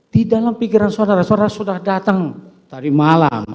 di dalam pikiran saudara saudara sudah datang tadi malam